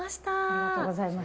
ありがとうございます。